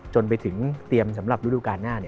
จนไปถึงเตรียมสำหรับฤดูการหน้า